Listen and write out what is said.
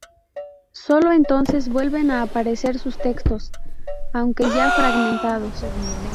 Sólo entonces vuelven a aparecer sus textos, aunque ya fragmentados.